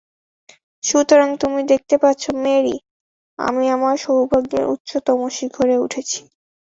সুতরাং তুমি দেখতে পাচ্ছ, মেরী, আমি আমার সৌভাগ্যের উচ্চতম শিখরে উঠেছি।